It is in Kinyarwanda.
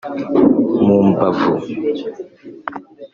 mu mbavu